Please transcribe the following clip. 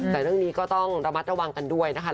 แต่เรื่องนี้ก็ต้องระมัดระวังกันด้วยนะคะ